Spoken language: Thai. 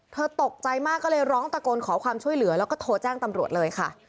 ตกใจมากก็เลยร้องตะโกนขอความช่วยเหลือแล้วก็โทรแจ้งตำรวจเลยค่ะ